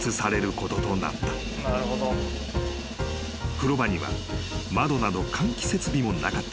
［風呂場には窓など換気設備もなかった］